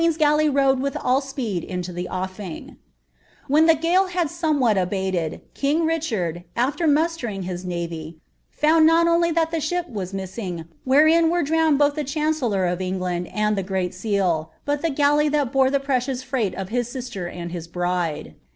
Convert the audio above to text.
s galley rowed with all cpn>d into tki When ihe gale had somewhat abated, king RichattI, after tniwenni I hia navy, found not only llial the ship was missing wherein WW* f drowned both die chancellor of England and tlie great anal,' """"' I galley thai hore the precioua freight of his sislcr and hi* bride.